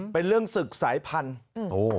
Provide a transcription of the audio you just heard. เป็นเรื่องศึกสายพันธุ์